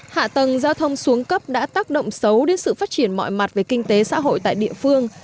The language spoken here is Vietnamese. hạ tầng giao thông xuống cấp đã tác động xấu đến sự phát triển mọi mặt về kinh tế xã hội tại địa phương